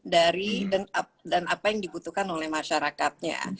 dari dan apa yang dibutuhkan oleh masyarakatnya